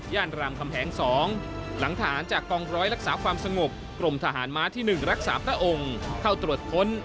รามคำแหง๒หลังฐานจากกองร้อยรักษาความสงบกรมทหารม้าที่๑รักษาพระองค์เข้าตรวจค้น